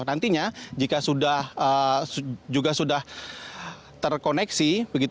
nantinya jika sudah terkoneksi